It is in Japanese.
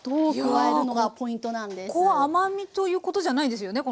ここは甘みということじゃないですよね？